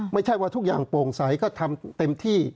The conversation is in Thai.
ไม่ใช่ว่าทุกอย่างโปร่งใสก็ทำเต็มที่